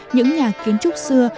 những nhà kiến trúc xưa